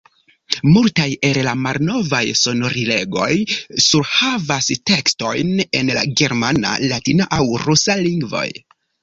Multaj el la malnovaj sonorilegoj surhavas tekstojn en la germana, latina aŭ rusa lingvoj.